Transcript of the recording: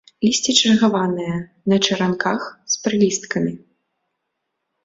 Лісце чаргаванае, на чаранках, з прылісткамі.